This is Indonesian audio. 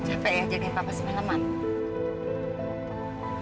capek ya jadiin papa semaleman